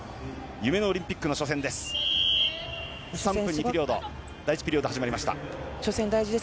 夢のオリンピックの初戦です。